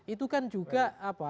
itu kan juga